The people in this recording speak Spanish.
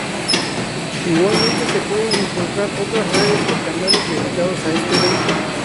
Igualmente se pueden encontrar otras redes, o canales dedicados a este evento.